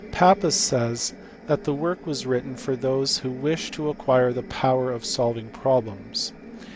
Pappus says that the work was written for those " who wish to acquire the power of solving problems."